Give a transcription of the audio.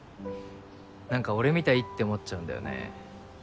何か俺みたいって思っちゃうんだよね。